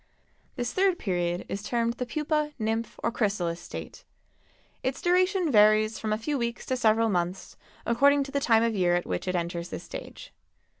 This third period is termed the pupa, nymph or chrysalis state. Its duration varies from a few weeks to several months, according to the time of year at which it enters this stage.